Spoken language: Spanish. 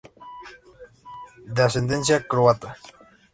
De ascendencia croata.